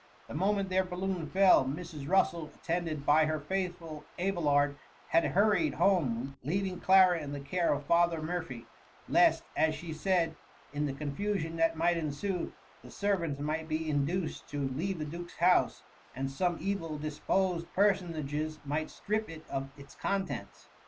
The moment their balloon fell, Mrs. Russel, attended by her faithful Abelard, had hurried home, leaving Clara in the care of Father Mur phy; lest, as she said, in the confusion that might ensue, the servants might be induced to leave the Duke^s house, and some evil disposed personages might strip it of its contents.